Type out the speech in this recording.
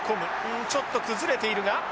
んちょっと崩れているが。